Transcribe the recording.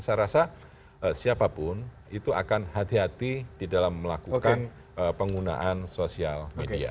saya rasa siapapun itu akan hati hati di dalam melakukan penggunaan sosial media